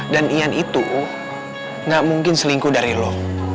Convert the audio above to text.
dan ian itu gak mungkin selingkuh dari lo